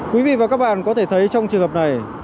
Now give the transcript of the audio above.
quý vị và các bạn có thể thấy trong trường hợp này